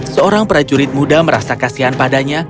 seorang prajurit muda merasa kasihan padanya